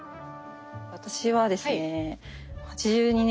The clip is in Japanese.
私はですね